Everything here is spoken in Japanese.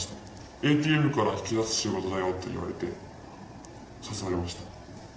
ＡＴＭから引き出す仕事だよって誘われました。